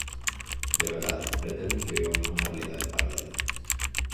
De verdade, pretenden que vivamos nunha realidade paralela.